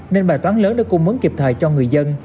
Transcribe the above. nên bài toán lớn đã cung mấn kịp thời cho người dân